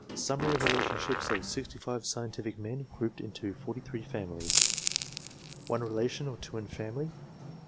SUMMARY OF RELATIONSHIPS OF 65 SCIENTIFIC MEN, GROUPED INTO 43 FAMILIES. One relation (or two in family).